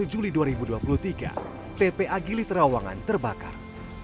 dua puluh satu juli dua ribu dua puluh tiga tpa gilit rawangan terbakar